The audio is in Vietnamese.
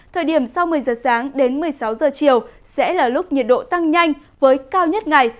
thời điểm sau một mươi giờ sáng đến một mươi sáu giờ chiều sẽ là lúc nhiệt độ tăng nhanh với cao nhất ngày